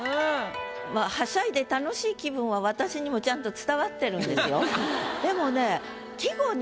まあはしゃいで楽しい気分は私にもちゃんと伝わってるんですよ。